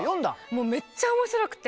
もうめっちゃ面白くて。